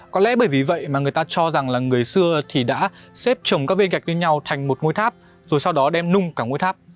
có lẽ bởi vì vậy mà người ta cho rằng là người xưa thì đã xếp trồng các viên gạch lên nhau thành một ngôi tháp rồi sau đó đem nung cả ngôi tháp